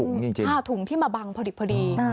หรืออาจจะเป็นผ้าถุงที่มาบังพอดี